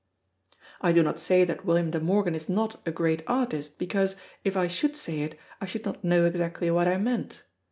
I do not say that William De Morgan is not a great artist, because, if I should say it, I should not know exactly what I meant.